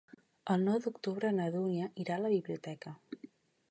El nou d'octubre na Dúnia irà a la biblioteca.